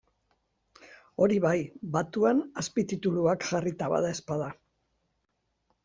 Hori bai, batuan azpitituluak jarrita badaezpada.